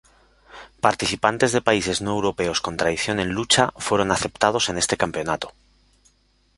Participantes de países no europeos con tradición en lucha fueron aceptados en este campeonato.